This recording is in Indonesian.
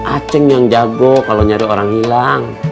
aceh yang jago kalau nyari orang hilang